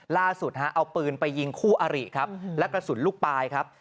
ล่าสุดฮะเอาปืนไปยิงคู่อาริครับและกระสุนลูกปลายครับ